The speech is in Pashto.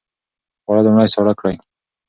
خواړه لومړی ساړه کړئ.